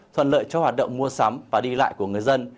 thuận lợi cho hoạt động mua sắm và đi lại của người dân